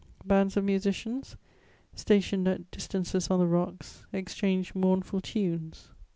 Bands of musicians, stationed at distances on the rocks, exchanged mournful tunes.